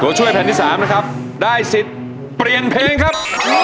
ช่วยแผ่นที่๓นะครับได้สิทธิ์เปลี่ยนเพลงครับ